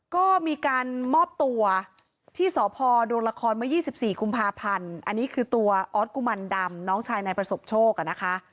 ก็มีการมอบตัวที่สพดวงละครเมื่อ๒๔กุมภาพันธ์อันนี้คือตัวออสกุมันดำน้องชายนายประสบโชคอะนะคะ